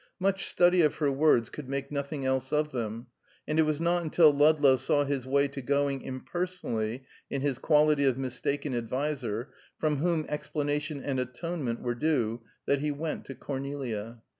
Much study of her words could make nothing else of them, and it was not until Ludlow saw his way to going impersonally in his quality of mistaken adviser, from whom explanation and atonement were due, that he went to Cornelia.